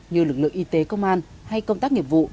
như lực lượng y tế công an hay công tác nghiệp vụ